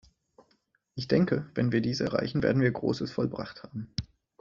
Ich denke, wenn wir dies erreichen, werden wir Großes vollbracht haben.